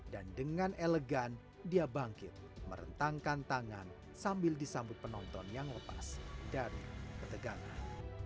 dan dengan elegan dia bangkit merentangkan tangan sambil disambut penonton yang lepas dari ketegangan